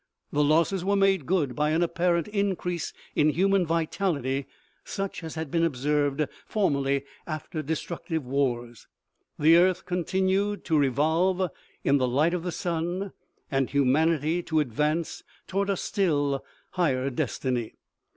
The losses were made good by an apparent in crease in human vitality, such as had been observed for merly after destructive wars ; the earth continued to revolve in the light of the sun, and humanity to advance toward a still higher destiny.